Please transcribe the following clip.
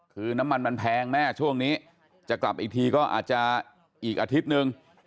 คือน้ำมันมันแพงแม่ช่วงนี้จะกลับอีกทีก็อาจจะอีกอาทิตย์นึง